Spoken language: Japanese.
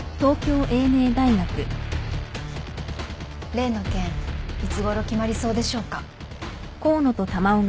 例の件いつごろ決まりそうでしょうか？